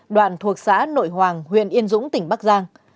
đoạn thuộc xã nội hoàng huyện yên dũng tỉnh bắc giang